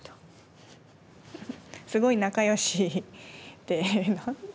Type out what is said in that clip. すごい仲よしで。